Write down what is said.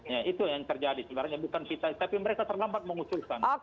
ya itu yang terjadi sebenarnya bukan kita tapi mereka terlambat mengusulkan